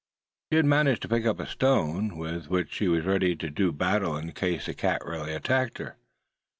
She had managed to pick up a stone, with which she was ready to do battle in case the cat really attacked her.